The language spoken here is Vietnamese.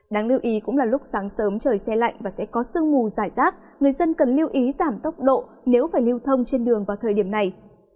đáng lưu ý cũng là lúc sáng sớm trời xe lạnh và sẽ có sương mù dài rác người dân cần lưu ý giảm tốc độ nếu phải lưu thông trên đường vào thời điểm này